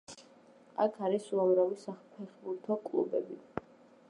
აქ არის უამრავი საფეხბურთო კლუბები.